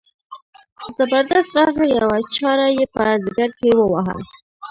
زبردست راغی یوه چاړه یې په ځګر کې وواهه.